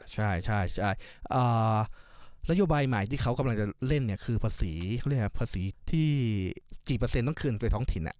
ใช่ระยะบายหมายที่เขากำลังจะเล่นคือภาษีที่กี่เปอร์เซ็นต์ต้องคืนไปท้องถิ่น